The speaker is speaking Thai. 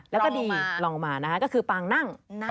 แล้วก็ดีลองมานะคะก็คือปางนั่ง